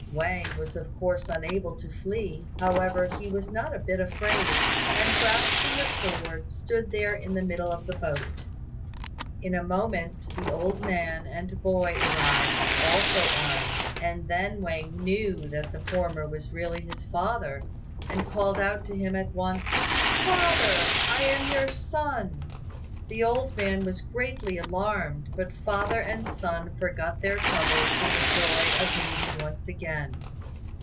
Wang was of course unable to flee; however, he was not a bit afraid, and grasping a sword stood there in the middle of the boat. In a moment, the old man and boy arrived, also armed, and then Wang knew that the former was really his father, and called out to him at once, "Father, I am your son." The old man was greatly alarmed, but father and son forgot their troubles in the joy of meeting once again.